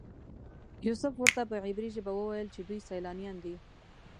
یوسف ورته په عبري ژبه وویل چې دوی سیلانیان دي.